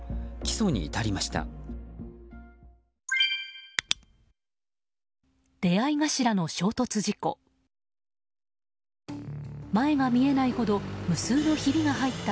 起訴に至りました。